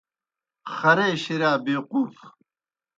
خرے شِرِیا بیقوف